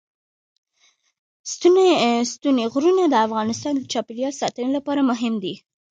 ستوني غرونه د افغانستان د چاپیریال ساتنې لپاره مهم دي.